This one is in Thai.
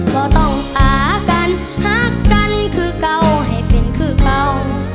ก็ต้องหากันฮักกันคือเก่าให้เป็นคือเก่า